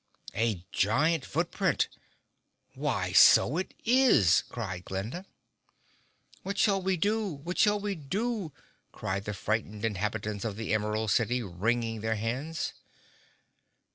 _" "A giant foot print! Why so it is!" cried Glinda. "What shall we do? What shall we do?" cried the frightened inhabitants of the Emerald City, wringing their hands.